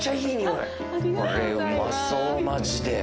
これうまそうマジで！